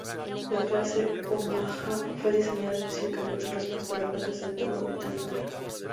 La clase "Omaha" fue diseñada específicamente en respuesta a la clase Centauro británica.